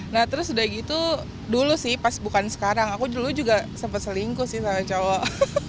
nah terus udah gitu dulu sih pas bukan sekarang aku dulu juga sempat selingkuh sih sama cowok